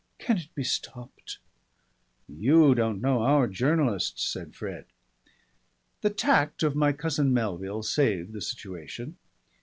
"Can't it be stopped?" "You don't know our journalists," said Fred. The tact of my cousin Melville saved the situation.